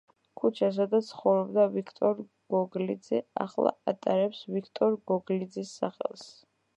ქუჩა, სადაც ცხოვრობდა ვიქტორ გოგლიძე ახლა ატარებს ვიქტორ გოგლიძის სახელს.